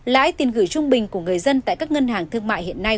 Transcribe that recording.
lãi tiền gửi trung bình của người dân tại các ngân hàng thương mại hiện nay